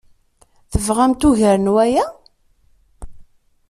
Tebɣamt ugar n waya?